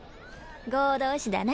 合同誌だな。